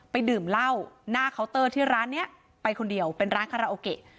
ดื่มเหล้าหน้าเคาน์เตอร์ที่ร้านนี้ไปคนเดียวเป็นร้านคาราโอเกะ